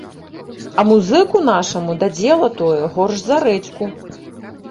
А музыку нашаму дадзела тое горш за рэдзьку.